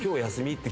って。